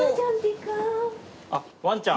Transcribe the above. あっワンちゃん。